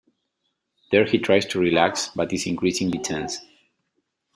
There he tries to relax but is increasingly tense.